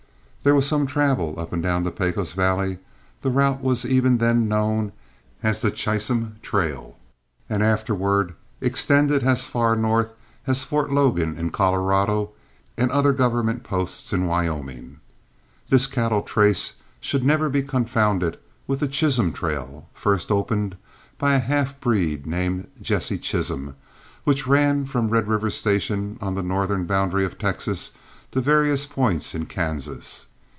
There was some travel up and down the Pecos valley, the route was even then known as the Chisum trail, and afterward extended as far north as Fort Logan in Colorado and other government posts in Wyoming. This cattle trace should never be confounded with the Chisholm trail, first opened by a half breed named Jesse Chisholm, which ran from Red River Station on the northern boundary of Texas to various points in Kansas.